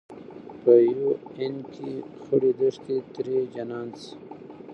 په يو آن کې خړې دښتې ترې جنان شي